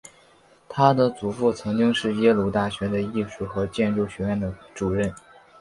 她的祖父曾经是耶鲁大学的艺术和建筑学院的主任。